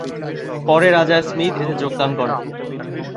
পরে Roger Smith এতে যোগদান করেন।